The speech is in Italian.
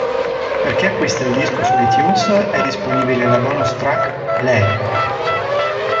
Per chi acquista il disco su iTunes è disponibile la bonus track "Lei".